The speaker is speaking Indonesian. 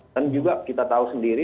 dan juga kita tahu sendiri